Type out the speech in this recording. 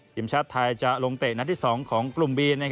ทีมชาติไทยจะลงเตะนัดที่๒ของกลุ่มบี